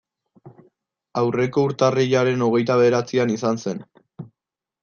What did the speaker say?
Aurreko urtarrilaren hogeita bederatzian izan zen.